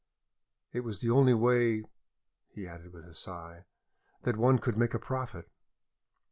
It was the only way," he added with a sigh, "that one could make a profit.